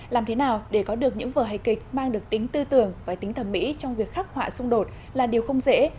làm thế nào để có được những vở hài kịch mang được tính tư tưởng và tính thẩm mỹ trong việc khắc họa xung đột là điều không dễ